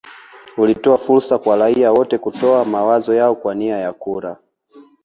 Ulitoa fursa kwa raia wote kutoa mawazo yao kwa njia ya kura